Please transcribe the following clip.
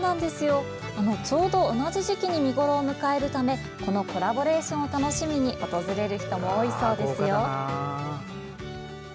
ちょうど同じ時期に見ごろを迎えるためこのコラボレーションを楽しみに訪れる人も多いそうです。